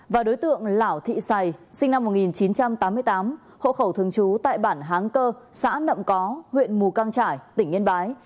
và đối tượng lão thị sày sinh năm một nghìn chín trăm tám mươi tám hộ khẩu thường trú tại bản háng cơ xã nậm có huyện mù căng trải tỉnh yên bái